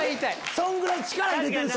そんぐらい力入れてると。